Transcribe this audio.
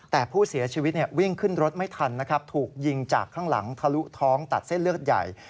แต่ผู้เสียชีวิตวิ่งขึ้นรถไม่ทันนะครับถูกยิงจากข้างหลังทะลุท้องตัดเส้นเลือดใหญ่